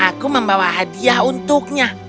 aku membawa hadiah untuknya